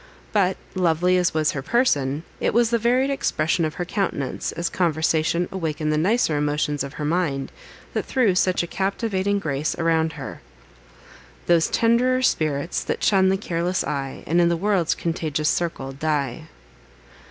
But, lovely as was her person, it was the varied expression of her countenance, as conversation awakened the nicer emotions of her mind, that threw such a captivating grace around her: Those tend'rer tints, that shun the careless eye, And, in the world's contagious circle, die.